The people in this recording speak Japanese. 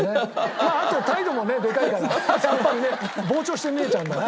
まああと態度もねでかいからやっぱりね膨張して見えちゃうんだな。